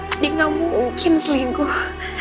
adi gak mungkin selingkuh